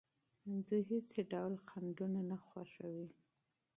دوی هیڅ ډول خنډونه نه خوښوي.